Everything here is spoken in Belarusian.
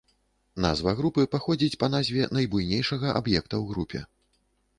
Назва групы паходзіць па назве найбуйнейшага аб'екта ў групе.